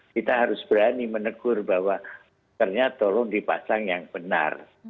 kita harus berani menegur bahwa ternyata tolong dipasang yang benar